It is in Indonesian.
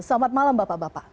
selamat malam bapak bapak